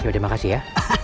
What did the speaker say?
yaudah makasih ya